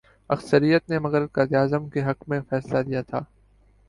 اکثریت نے مگر قائد اعظم کے حق میں فیصلہ دیا تھا۔